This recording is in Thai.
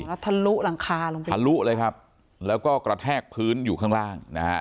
แล้วทะลุหลังคาลงไปทะลุเลยครับแล้วก็กระแทกพื้นอยู่ข้างล่างนะฮะ